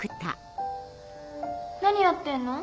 何やってんの？